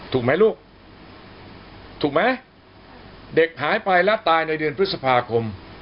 ถูกไหมลูกถูกไหมเด็กหายไปและตายในเดือนพฤษภาคม